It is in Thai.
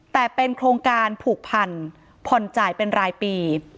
แต่เป็นโครงการผูกพันผ่อนจ่ายเป็นรายปี